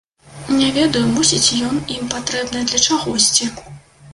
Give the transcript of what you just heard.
Не ведаю, мусіць ён ім патрэбны для чагосьці.